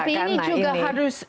tapi ini juga harus